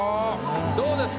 どうですか？